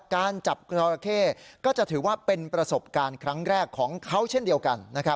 การจับจอราเข้ก็จะถือว่าเป็นประสบการณ์ครั้งแรกของเขาเช่นเดียวกัน